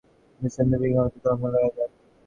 দৃষ্টান্তস্বরূপ ব্রাহ্মণদের ধর্মকে লওয়া যাক।